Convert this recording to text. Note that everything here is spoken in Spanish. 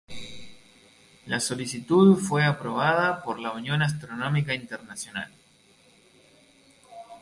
La solicitud fue aprobada por la Unión Astronómica Internacional.